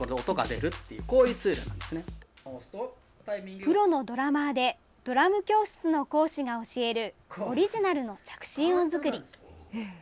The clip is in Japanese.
プロのドラマーでドラム教室の講師が教えるオリジナルの着信音作り。